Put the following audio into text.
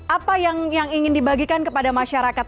apa yang ingin dibagikan kepada masyarakat